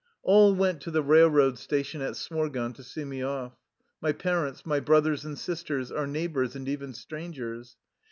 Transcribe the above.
All went to the railroad station at Smorgon to see me off : My parents, my brothers and sis ters, our neighbors, and even strangers.